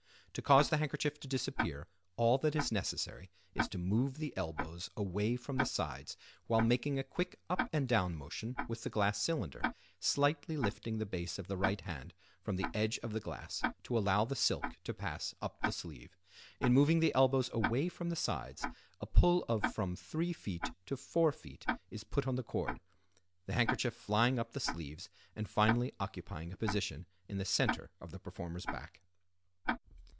To cause the handkerchief to disappear all that is necessary is to move the elbows away from the sides while making a quick up and down motion with the glass cylinder, slightly lifting the base of the right hand from the edge of the glass to allow the silk to pass up the sleeve. In moving the elbows away from the sides a pull of from 3ft. to 4ft. is put on the cord, the handkerchief flying up the sleeves and finally occupying a position in the center of the performer's back.